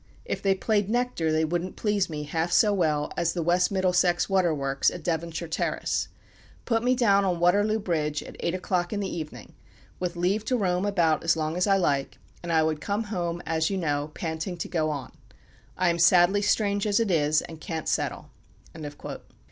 If they played nectar, they wouldn't please me half so well as the West Middlesex Waterworks at Devonshire Terrace.... Put me down on Waterloo Bridge at eight o'clock in the evening, with leave to roam about as long as I like, and I would come home, as you know, panting to go on. I am sadly strange as it is, and can't settle."